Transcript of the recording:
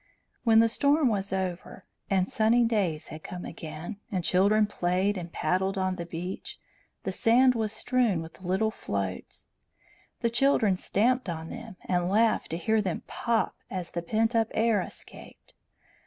When the storm was over, and sunny days had come again, and children played and paddled on the beach, the sand was strewn with little floats. The children stamped on them, and laughed to hear them pop as the pent up air escaped.